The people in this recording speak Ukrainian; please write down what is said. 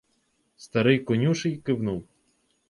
Старий конюший кивнув.